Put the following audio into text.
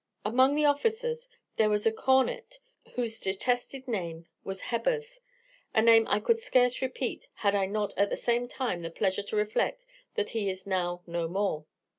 Among the officers there was a cornet whose detested name was Hebbers, a name I could scarce repeat, had I not at the same time the pleasure to reflect that he is now no more.